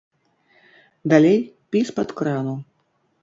Далей пі з-пад крану.